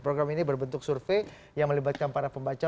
program ini berbentuk survei yang melibatkan para pembaca